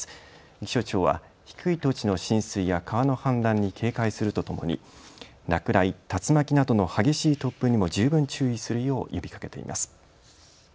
気象庁は低い土地の浸水や川の氾濫に警戒するとともに落雷、竜巻などの激しい突風にも十分注意するよう呼びかけています。